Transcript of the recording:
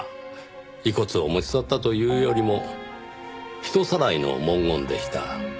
遺骨を持ち去ったというよりも人さらいの文言でした。